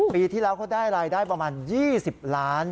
ปีที่แล้วเขาได้รายได้ประมาณ๒๐ล้าน